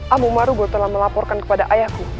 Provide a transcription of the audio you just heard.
amu marugo telah melaporkan kepada ayahku